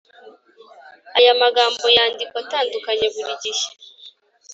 Aya magambo yandikwa atandukanye buri gihe